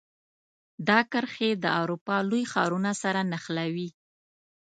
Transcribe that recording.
دا کرښې د اروپا لوی ښارونو سره نښلوي.